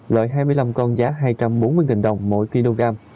loại hai mươi năm con giá hai trăm bốn mươi đồng mỗi kg